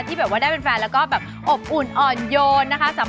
แบบว่าได้เป็นแฟนแล้วก็แบบอบอุ่นอ่อนโยนนะคะ